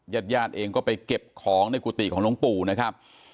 ญาติญาติเองก็ไปเก็บของในกุฏิของหลวงปู่นะครับ